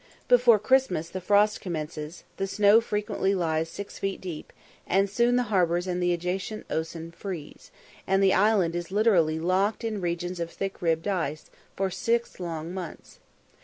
Before Christmas the frost commences, the snow frequently lies six feet deep, and soon the harbours and the adjacent ocean freeze, and the island is literally "locked in regions of thick ribbed ice" for six long months.